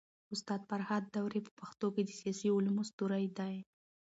استاد فرهاد داوري په پښتو کي د سياسي علومو ستوری دی.